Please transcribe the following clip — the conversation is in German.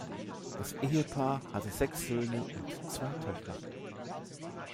Das Ehepaar hatte sechs Söhne und zwei Töchter.